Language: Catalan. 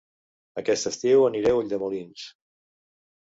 Aquest estiu aniré a Ulldemolins